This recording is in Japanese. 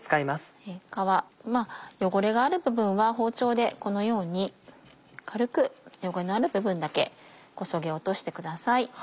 汚れがある部分は包丁でこのように軽く汚れのある部分だけこそげ落としてください。